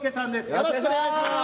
よろしくお願いします！